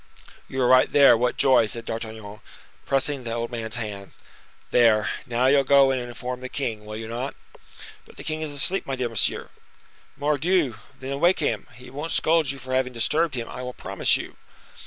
"You are right there, what joy!" said D'Artagnan, pressing the old man's hand. "There, now you'll go and inform the king, will you not?" "But the king is asleep, my dear monsieur." "Mordioux! then wake him. He won't scold you for having disturbed him, I will promise you."